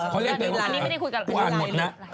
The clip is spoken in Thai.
เขาเรียกได้ว่ากูอ่านหมดนะ